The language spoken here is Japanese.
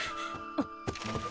あっ！